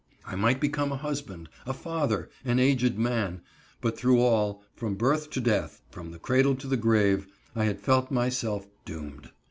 I might become a husband, a father, an aged man, but through all, from birth to death, from the cradle to the grave, I had felt myself doomed.